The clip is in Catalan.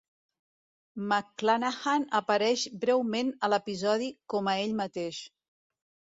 McClanahan apareix breument al episodi com a ell mateix.